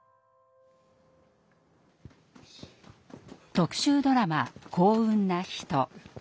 特集ドラマ「幸運なひと」。